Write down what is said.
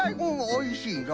おいしいよ！